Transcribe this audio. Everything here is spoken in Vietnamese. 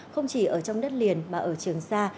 không chỉ ở trong đất liền mà ở trường sa